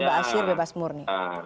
baasir bebas murni